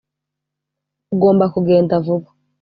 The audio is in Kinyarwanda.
ugomba kugenda vuba.